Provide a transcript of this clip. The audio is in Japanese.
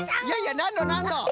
いやいやなんのなんの。